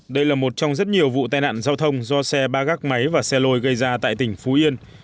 đây là một trong rất nhiều vụ tai nạn giao thông do xe ba gác máy và xe lôi gây ra tại tỉnh phú yên